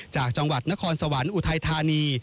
จากจังหวัดนครสวรรค์อุทัยธานี